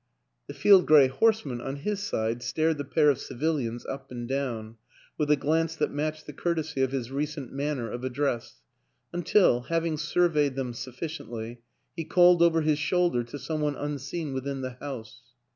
The field gray horseman, on his side, stared the pair of civilians up and down with a glance that matched the courtesy of his recent manner of ad dress until, having surveyed them sufficiently, he called over his shoulder to some one unseen within the house.